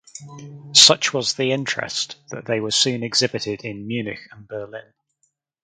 Such was the interest that they were soon exhibited in Munich and Berlin.